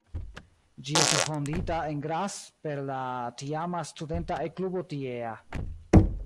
Ĝi estis fondita en Graz per la tiama studenta E-klubo tiea.